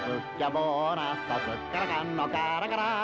ボーナスァすっからかんのカラカラ」